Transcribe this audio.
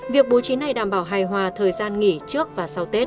việc bố trí này đảm bảo hài hòa thời gian nghỉ trước và sau tết